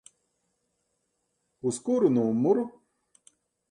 Uz kuru numuru?